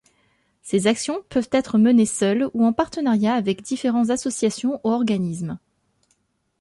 Ces actions peuvent être menées seules ou en partenariat avec différents associations ou organismes.